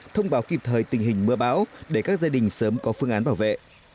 thông báo kịp thời tình hình mưa bão để các gia đình sớm có phương án bảo vệ